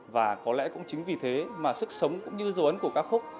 và có lẽ cũng chính vì thế mà sức sống cũng như dấu ấn của ca khúc